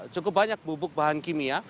cukup banyak bubuk bahan kimia